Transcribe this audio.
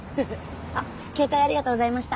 あっ携帯ありがとうございました。